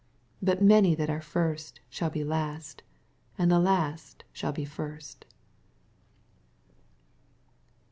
80 But many mat are first shall be last : and the last aTuiU be first.